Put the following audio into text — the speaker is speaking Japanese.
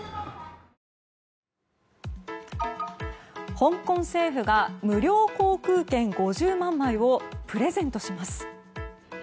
香港政府が無料航空券５０万枚をプレゼントします。